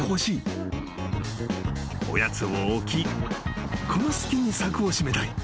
［おやつを置きこの隙に柵を閉めたい］